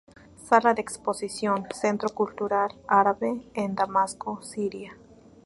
Sala de Exposición, Centro Cultural Árabe, en Damasco, Siria.